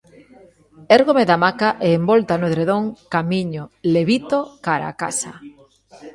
Érgome da hamaca e envolta no edredón camiño, levito, cara á casa.